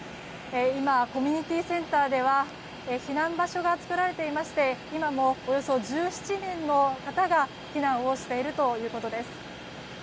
今、コミュニティーセンターでは避難場所が作られていまして今もおよそ１７人の方が避難をしているということです。